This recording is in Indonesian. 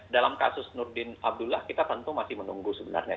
dalam kasus nurdin abdullah kita tentu masih menunggu sebenarnya